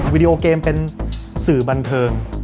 วิดีโอเกมเป็นสื่อบันเทิง